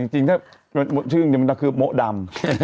แต่จริงถ้าชื่ออย่างนี้มันก็คือโมดราม